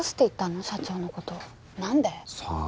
さあ？